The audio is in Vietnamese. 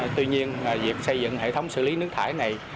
tuy nhiên việc xây dựng hệ thống xử lý nước thải này